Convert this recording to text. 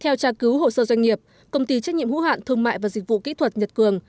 theo tra cứu hộ sơ doanh nghiệp công ty trách nhiệm hữu hạn thương mại và dịch vụ kỹ thuật nhật cường